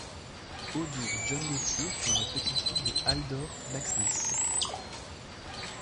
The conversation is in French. Auður Jónsdóttir est la petite-fille de Halldór Laxness.